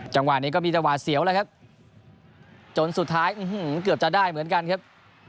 จังหวะนี้ก็มีแต่หวาดเสียวแล้วครับจนสุดท้ายเกือบจะได้เหมือนกันครับ